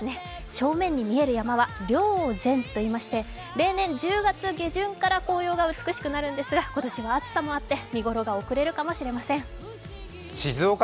正面に見える山は霊山と言いまして例年１０月下旬から紅葉が美しくなるんですが今年は暑さもあって、見頃が遅れるかもしれません。